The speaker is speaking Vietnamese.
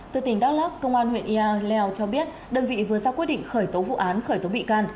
từ tỉnh đắk lắk công an huyện yà lèo cho biết đơn vị vừa ra quyết định khởi tố vụ án khởi tố bị can